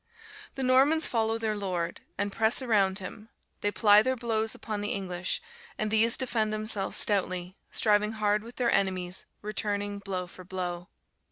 The Normans follow their lord, and press around him; they ply their blows upon the English; and these defend themselves stoutly, striving hard with their enemies, returning blow for blow.